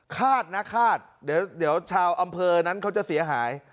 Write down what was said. คาดนะคาดเดี๋ยวชาวอำเภอนั้นเขาจะเสียหาย